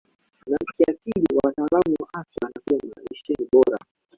na kiakili Wataalam wa afya wanasema lishe bora